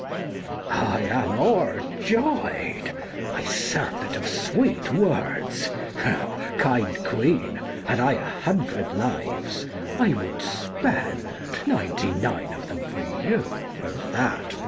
Mess. I am o'er joy'd, I surfeit of sweet words : 60 Kind queen, had I a hundred lives, I would Spend ninety nine of them for you, for that word.